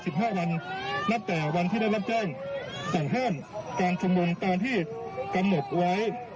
กับทั้ง๑๕วันตั้งแต่วันที่ได้รับแจ้งสั่งห้ามการชมุมตามที่กระมกไว้